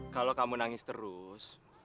kalau kamu nangis terus